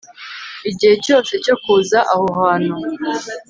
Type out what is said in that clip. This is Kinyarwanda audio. Igihe cyose cyo kuza aho hantu